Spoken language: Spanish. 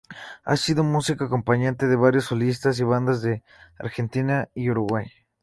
Ha sido músico acompañante de varios solistas y bandas de Argentina y Uruguay.